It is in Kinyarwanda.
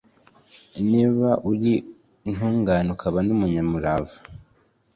niba uri intungane ukaba n'umunyamurava